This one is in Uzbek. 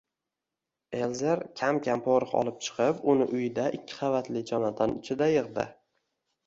Elzer kam-kam porox olib chiqib, uni uyida ikki qavatli jomadon ichida yigʻdi